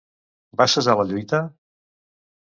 Va cessar la lluita?